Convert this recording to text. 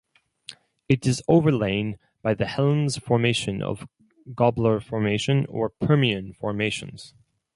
It is overlain by the Helms Formation or Gobbler Formation or Permian formations.